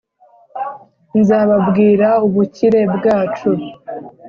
Nzababwira ubukire bwacu